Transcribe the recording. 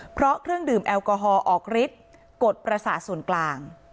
เพราะเครื่องดื่มแอลกอฮอล์ออกฤทธิ์กดประสาทส่วนกลาง